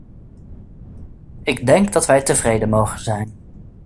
Ik denk dat wij tevreden mogen zijn.